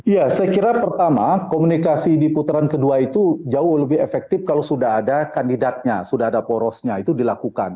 ya saya kira pertama komunikasi di putaran kedua itu jauh lebih efektif kalau sudah ada kandidatnya sudah ada porosnya itu dilakukan